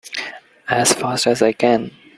As fast as I can!